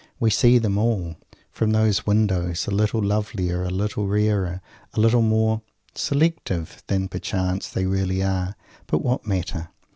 We see them all from those windows a little lovelier, a little rarer, a little more "selective," than, perchance, they really are. But what matter?